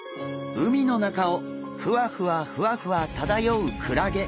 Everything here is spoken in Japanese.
海の中をふわふわふわふわ漂うクラゲ。